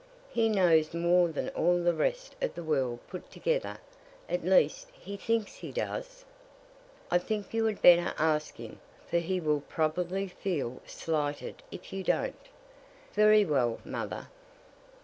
He knows more than all the rest of the world put together at least, he thinks he does." "I think you had better ask him, for he will probably feel slighted if you don't." "Very well, mother."